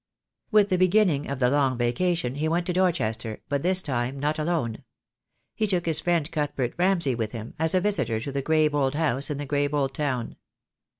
With the beginning of the Long Vacation he went to Dorchester, but this time not alone. He took his friend Cuthbert Ramsay with him, as a visitor to the grave old house, in the grave old town.